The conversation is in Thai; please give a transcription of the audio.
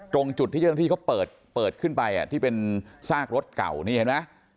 ตรงจุดที่เจ้าหน้าที่เขาเปิดขึ้นไปที่เป็นซากรถเก่านี่เห็นไหม